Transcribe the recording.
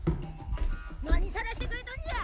何さらしてくれとんじゃ！